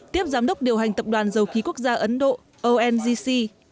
tiếp giám đốc điều hành tập đoàn dầu khí quốc gia ấn độ ongc